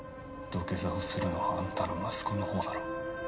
土下座をするのはあんたの息子のほうだろ。